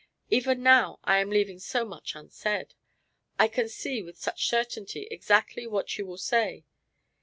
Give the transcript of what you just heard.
Even now I am leaving so much unsaid. I can see with such certainty exactly what you will say.